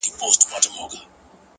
روغ زړه درواخله خدایه بیا یې کباب راکه-